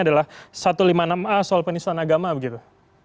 adalah satu ratus lima puluh enam a soal penistaan agama begitu